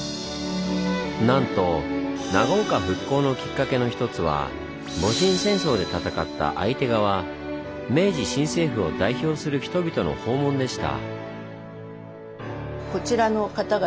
なんと長岡復興のきっかけの一つは戊辰戦争で戦った相手側明治新政府を代表する人々の訪問でした。